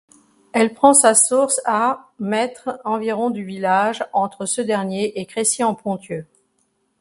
Elle prend sa source à mètres environ du village, entre ce dernier et Crécy-en-Ponthieu.